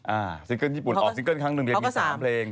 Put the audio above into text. ซิงเกิ้ลญี่ปุ่นออกซิงเกิ้ลครั้งหนึ่งเรียนมีสามเพลง